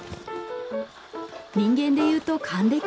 人間でいうと還暦くらい。